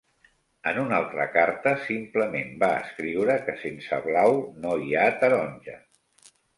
En una altra carta simplement va escriure que sense blau no hi ha taronja.